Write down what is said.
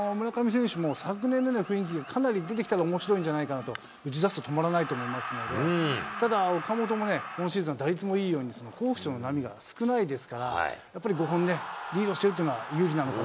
村上選手も昨年の雰囲気が出てきたらかなり面白いんじゃないかと、打ちだすと止まらないと思いますので、ただ、岡本もね、今シーズン打率もいいように、好不調の波も少ないですから、やっぱり５本ね、リードしてるっ